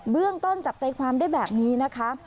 เรื่องต้นจับใจความได้แบบนี้นะคะ